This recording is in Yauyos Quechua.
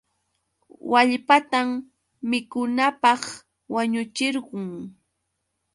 Wallpatam mikunanpaq wañuchirqun.